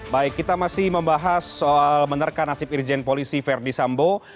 baik kita masih membahas soal menerka nasib irjen polisi verdi sambo